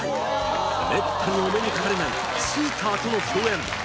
めったにお目にかかれないチーターとの共演